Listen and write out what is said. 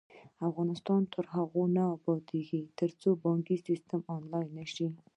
افغانستان تر هغو نه ابادیږي، ترڅو بانکي سیستم آنلاین نشي.